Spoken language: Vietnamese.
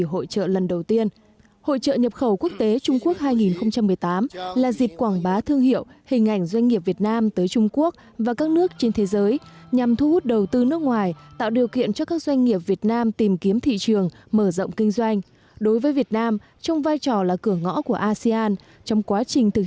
hội trợ do bộ thương mại trung quốc phối hợp với ủy ban thương mại thượng hải chủ trì